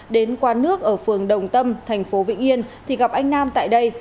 đến quán nước ở phường đồng tâm thành phố vĩnh yên thì gặp anh nam tại đây